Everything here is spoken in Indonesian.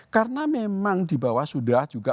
karena memang di bawah sudah juga